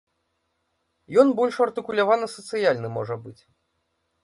Ён больш артыкулявана сацыяльны, можа быць.